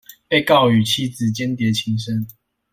被告與妻子鰜鰈情深